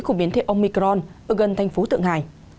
của biến thể omicron ở gần thành phố thượng hải